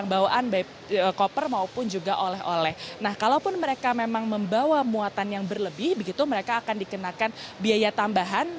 nah oleh nah kalaupun mereka memang membawa muatan yang berlebih begitu mereka akan dikenakan biaya tambahan